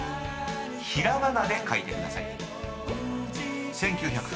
［ひらがなで書いてください］